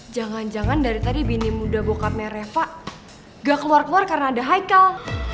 jangan jangan dari tadi bini muda bokapnya reva gak keluar keluar karena ada hikal